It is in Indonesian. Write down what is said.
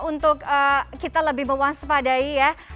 untuk kita lebih mewaspadai ya